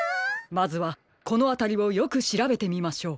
まずはこのあたりをよくしらべてみましょう。